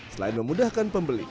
selain memudahkan pembeli